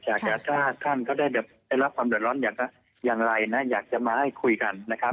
แต่ถ้าท่านเขาได้รับความเดือดร้อนอย่างไรนะอยากจะมาให้คุยกันนะครับ